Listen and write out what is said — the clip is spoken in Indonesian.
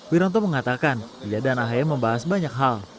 wiranto mengatakan dia dan ahy membahas banyak hal